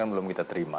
belum kita terima